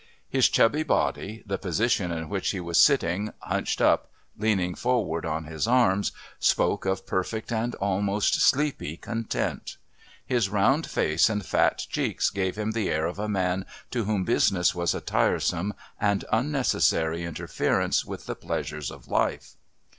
His chubby body, the position in which he was sitting, hunched up, leaning forward on his arms, spoke of perfect and almost sleepy content. His round face and fat cheeks gave him the air of a man to whom business was a tiresome and unnecessary interference with the pleasures of life.